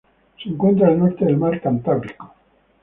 Se encuentra al norte del mar Cantábrico.